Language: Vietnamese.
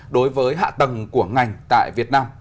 đối với hạ tầng của ngành tại việt nam